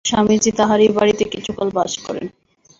স্বামীজী তাঁহারই বাড়ীতে কিছুকাল বাস করেন।